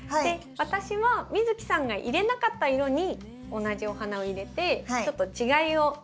私は美月さんが入れなかった色に同じお花を入れてちょっと違いを見られたらと思うので。